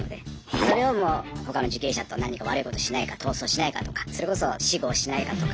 それを他の受刑者と何か悪いことしないか逃走しないかとかそれこそ私語をしないかとか。